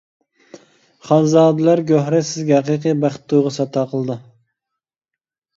خانزادىلەر گۆھىرى سىزگە ھەقىقىي بەخت تۇيغۇسى ئاتا قىلىدۇ!